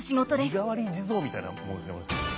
身代わり地蔵みたいなもんですねこれ。